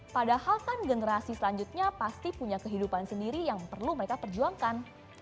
padahal kan generasi selanjutnya pasti punya kehidupan sendiri yang perlu mereka perjuangkan